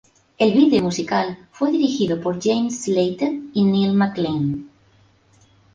El video musical fue dirigido por James Slater y Neil McLean.